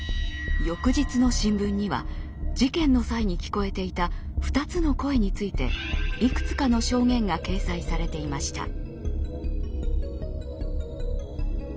翌日の新聞には事件の際に聞こえていた二つの声についていくつかの証言が掲載されていました。